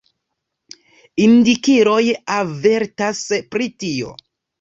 Indikiloj avertas pri tio.